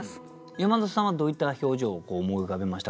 山田さんはどういった表情を思い浮かべました？